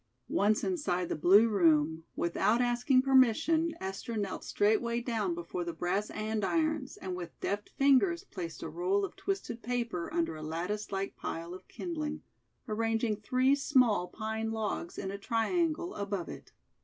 Once inside the blue room, without asking permission, Esther knelt straightway down before the brass andirons and with deft fingers placed a roll of twisted paper under a lattice like pile of kindling, arranging three small pine logs in a triangle above it.